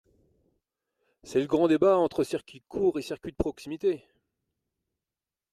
C’est le grand débat entre circuit court et circuit de proximité.